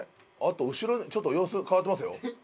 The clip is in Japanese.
後ろちょっと様子変わってますよ。